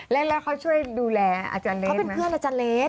เล่นแล้วเขาช่วยดูแลอาจารย์เล็กเขาเป็นเพื่อนอาจารย์เล็ก